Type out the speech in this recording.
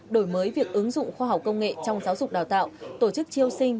đổi mới việc ứng dụng khoa học công nghệ trong giáo dục đào tạo tổ chức triêu sinh